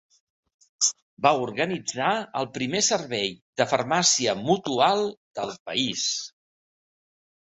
Va organitzar el primer servei de farmàcia mutual del país.